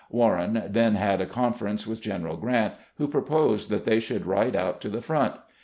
Warren then had a conference with G eneral Grant, who proposed that they should ride out to the front.